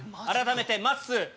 改めてまっすー